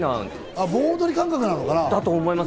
盆踊り感覚なのかな？